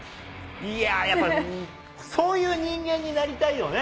いやー、やっぱそういう人間になりたいよね。